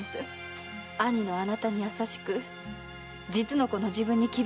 兄のあなたに優しく実の子の自分に厳しすぎると。